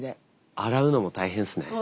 洗うのも大変ですね。